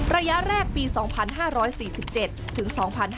ระยะแรกปี๒๕๔๗ถึง๒๕๕๙